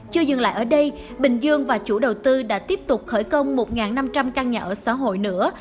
chưa dừng lại ở đây bình dương và chủ đầu tư đã tiếp tục khởi công một năm trăm linh căn nhà ở xã hội nữa